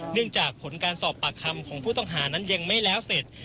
จากผลการสอบปากคำของผู้ต้องหานั้นยังไม่แล้วเสร็จ